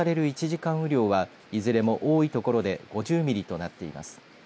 １時間雨量はいずれも多い所で５０ミリとなっています。